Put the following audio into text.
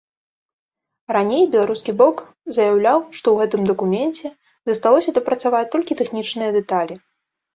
Раней беларускі бок заяўляў, што ў гэтым дакуменце засталося дапрацаваць толькі тэхнічныя дэталі.